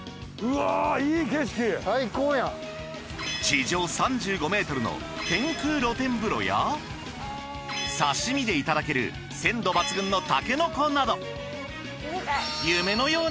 地上３５ｍの天空露天風呂や刺身でいただける鮮度抜群のタケノコなど。